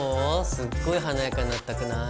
すっごい華やかになったくない？